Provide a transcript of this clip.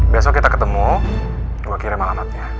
besok kita ketemu coba kirim alamatnya